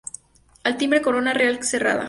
Al timbre, corona real cerrada.